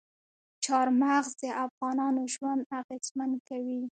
چار مغز د افغانانو ژوند اغېزمن کوي.